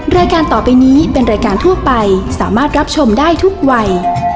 รายการต่อไปนี้เป็นรายการทั่วไปสามารถรับชมได้ทุกวัย